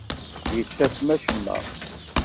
Yettasem acemma.